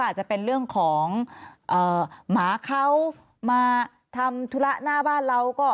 อาจจะเป็นเรื่องของหมาเขามาทำธุระหน้าบ้านเราก็